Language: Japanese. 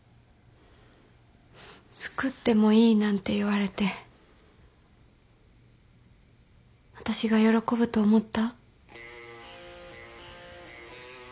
つくってもいいなんて言われて私が喜ぶと思った？